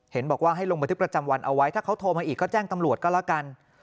เห็นบอกว่าให้ลงบันทึกประจำวันเอาไว้ถ้าเขาโทรมาอีกก็แจ้งตำรวจก็แล้วกัน